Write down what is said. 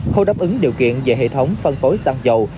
không đáp ứng điều kiện về hệ thống phân phối xăng dầu